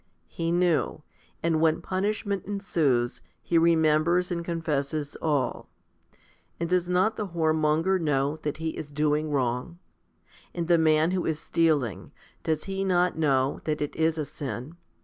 He knew, and when punish ment ensues, he remembers and confesses all. And does not the whoremonger know that he is doing wrong ? And the man who is stealing, does he not know that it is a sin